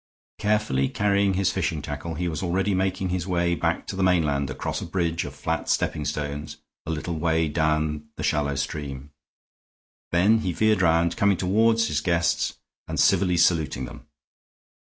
Carefully carrying his fishing tackle, he was already making his way back to the mainland across a bridge of flat stepping stones a little way down the shallow stream; then he veered round, coming toward his guests and civilly saluting them.